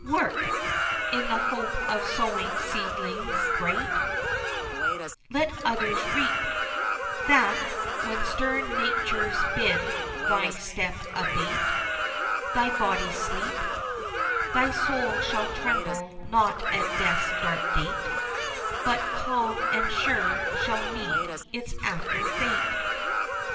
Work! in the hope of sowing seedlings great; Let others reap, That, when stern Nature bids thy step abate, Thy body sleep, Thy soul shall tremble not at Death's dark gate, But calm and sure shall meet its After Fate.